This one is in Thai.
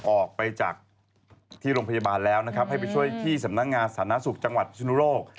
ออกไปจากที่โรงพยาบาลแล้วนะครับให้ไปช่วยที่สำนักงานสาธารณสุขจังหวัดพิศนุโลก